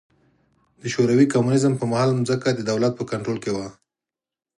د شوروي کمونېزم پر مهال ځمکه د دولت په کنټرول کې وه.